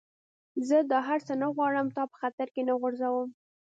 زه دا هر څه نه غواړم، تا په خطر کي نه غورځوم.